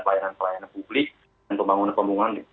pelayanan pelayanan publik dan pembangunan pembangunan